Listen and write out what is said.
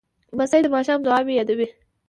لمسی د ماښام دعاوې یادوي.